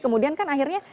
kemudian kan akhirnya